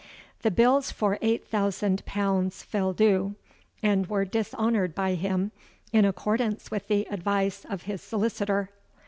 The bills for eight thousand pounds fell due, and were dishonoured by him, in accordance with the advice of his solicitor.